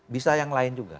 bisa yang lain juga